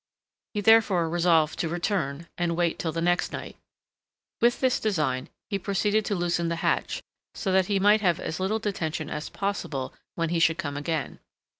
He therefore resolved to return, and wait till the next night. With this design, he proceeded to loosen the hatch, so that he might have as little detention as possible when he should come again.